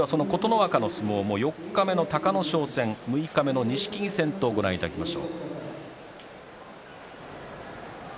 その琴ノ若の相撲四日目の隆の勝と六日目の錦木戦をご覧いただきます。